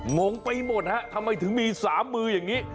งงไปหมดฮะทำไมถึงมี๓มืออย่างนี้